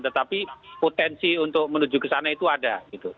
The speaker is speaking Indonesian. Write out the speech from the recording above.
tetapi potensi untuk menuju ke sana itu ada